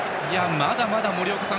まだまだ森岡さん